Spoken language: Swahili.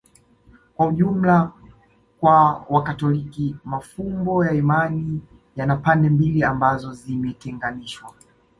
Kwa jumla kwa Wakatoliki mafumbo ya imani yana pande mbili ambazo zimetenganishwa